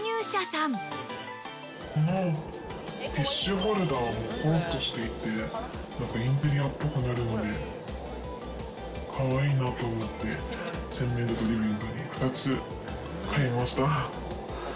このティッシュホルダーもコロっとしていて、なんかインテリアっぽくなるので、かわいいなぁと思って、洗面所とリビングに２つ買いました。